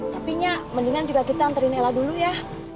tapi nya mendingan juga kita anterin nela dulu ya